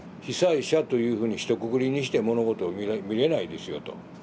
「被災者」というふうにひとくくりにして物事を見れないですよと。